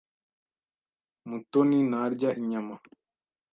Mutoni ntarya inyama.